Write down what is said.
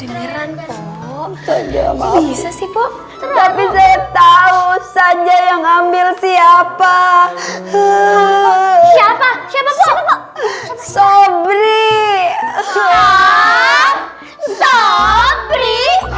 bisa sih kok tapi saya tahu saja yang ngambil siapa siapa siapa sobri sobri